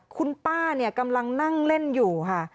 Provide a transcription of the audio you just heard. คุณป้าเนี่ยกำลังนั่งเล่นอยู่ค่ะ